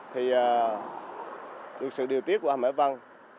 thì được sự điều tiết của hàm hải vân